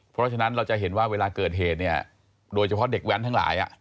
เพราะฉะนั้นเราจะเห็นว่าเวลาเกิดเหตุเนี่ยโดยเฉพาะเด็กแว้นทั้งหลาย